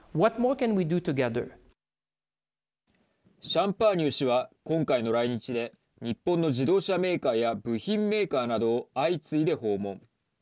シャンパーニュ氏は今回の来日で日本の自動車メーカーや部品メーカーなどを相次いで訪問。